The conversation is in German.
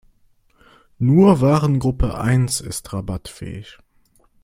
Nur Warengruppe eins ist rabattfähig.